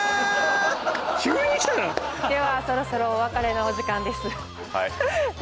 ではそろそろお別れのお時間です。